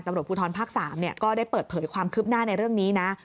ตำรวจภูทรภาค๓ก็ได้เปิดเผยความคืบหน้าในเรื่องนี้นะ